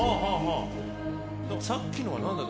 さっきのは何だ？